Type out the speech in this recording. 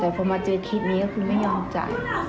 แต่พอมาเจอคลิปนี้ก็คือไม่ยอมจ่าย